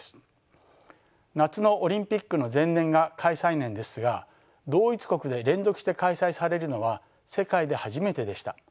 夏のオリンピックの前年が開催年ですが同一国で連続して開催されるのは世界で初めてでした。